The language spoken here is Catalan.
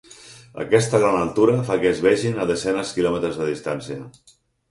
Aquesta gran altura fa que es vegin a desenes quilòmetres de distància.